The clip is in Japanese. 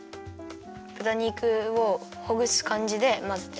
ぶた肉をほぐすかんじでまぜて。